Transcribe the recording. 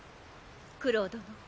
九郎殿。